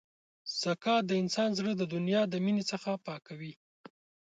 زکات د انسان زړه د دنیا د مینې څخه پاکوي.